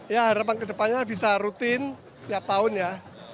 ya harapan ke depannya bisa rutin tiap tahun ya